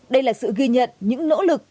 đây là sự ghi nhận những nỗ lực